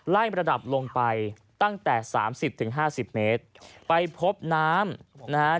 ระดับลงไปตั้งแต่สามสิบถึงห้าสิบเมตรไปพบน้ำนะฮะ